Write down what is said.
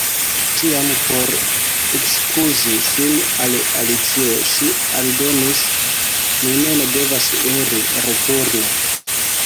Tiam por ekskuzi sin al Alicio ŝi aldonis: "Mi mem devas iri returne. »